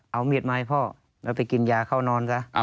เอามีดมาให้พ่อแล้วไปกินยาเข้านอนซะ